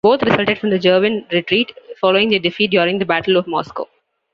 Both resulted from the German retreat following their defeat during the Battle of Moscow.